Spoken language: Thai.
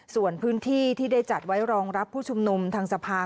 ส่วนพื้นที่ที่ได้จัดไว้รองรับผู้ชุมนุมทางสภา